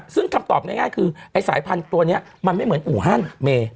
ซึ่งคำตอบง่ายคือไอ้สายพันธุ์ตัวนี้มันไม่เหมือนอู่ฮั่นเม